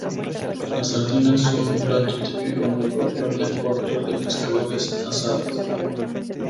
Las sardinas son un plato típico muy propio de puertos de pescadores, asadas.